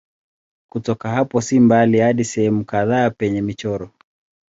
Kutoka hapo si mbali hadi sehemu kadhaa penye michoro.